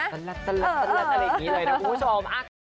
สลัดอะไรอย่างนี้เลยนะคุณผู้ชม